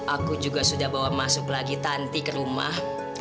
aku juga sudah bawa masuk lagi tanti ke rumah